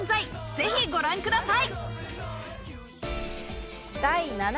ぜひご覧ください。